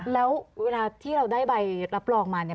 แล้วเวลาที่เราได้ใบรับรองมาเนี่ย